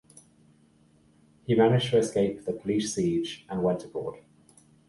He managed to escape the police siege and went abroad.